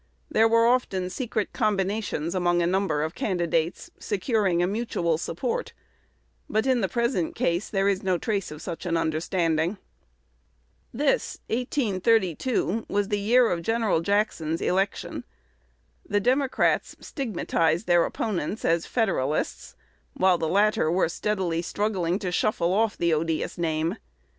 There were often secret combinations among a number of candidates, securing a mutual support; but in the present case there is no trace of such an understanding. This (1832) was the year of Gen. Jackson's election. The Democrats stigmatized their opponents as "Federalists," while the latter were steadily struggling to shuffle off the odious name.